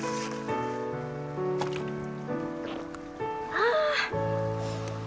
ああ。